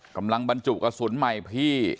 กำลังบรรจุกระสุนใหม่พี่